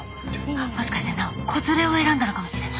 もしかして直央子連れを選んだのかもしれない。